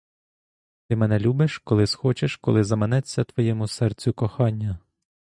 Ти мене любиш, коли схочеш, коли заманеться твоєму серцю кохання.